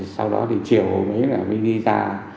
sau đó thì chiều mới đi ra